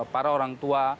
para orang tua